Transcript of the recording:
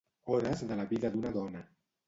Hores de la vida d'una dona'